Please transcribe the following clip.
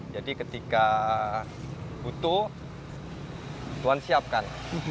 jadi ketika butuh tuhan siapkan